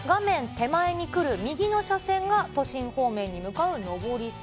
手前に来る右の車線が、都心方面に向かう上り線。